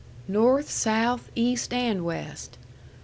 "North, south, east, and west.